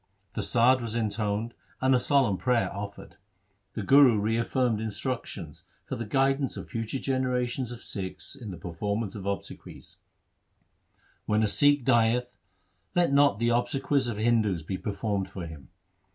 The Sadd was intoned and a solemn prayer offered. The Guru reaffirmed instructions for the guidance of future generations of Sikhs in the per formance of obsequies :—' When a Sikh dieth, let not the obsequies of Hindus be performed for him.